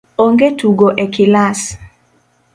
Onge tugo e kilas